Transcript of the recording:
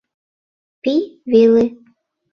Пий веле...